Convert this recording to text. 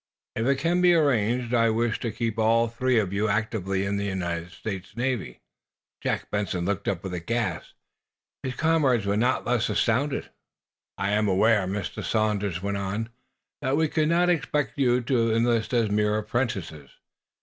If it can be arranged, I wish to keep all three of you actively in the United States Navy." Jack Benson looked up with a gasp. His comrades were not less astounded. "I am aware," Mr. Sanders went on, "that we could not expect you to enlist as mere apprentices.